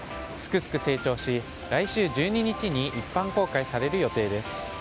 すくすく成長し、来週１２日に一般公開される予定です。